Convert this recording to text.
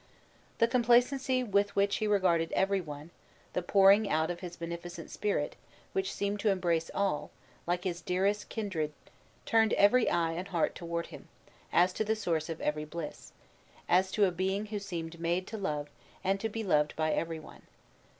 The complacency with which he regarded every one the pouring out of his beneficent spirit, which seemed to embrace all, like his dearest kindred turned every eye and heart toward him, as to the source of every bliss; as to a being who seemed made to love, and be beloved by every one.